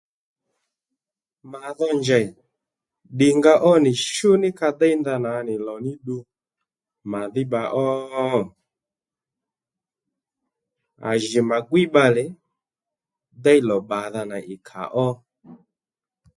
Mà dho njèy ddìngaó nì shú ní ka déy ndanà nì lò ní ddu mà dhí bba ó? À jì mà gwíy bbalè déy lò bbàdha nà ì kà ó